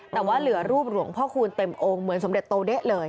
แต่ว่าเหลือรูปหลวงพ่อคูณเต็มองค์เหมือนสมเด็จโตเด๊ะเลย